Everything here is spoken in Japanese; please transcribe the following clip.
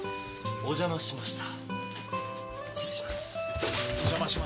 お邪魔しました。